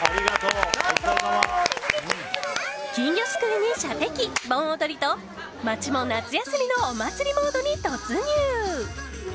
金魚すくいに射的、盆踊りと街も夏休みのお祭りモードに突入。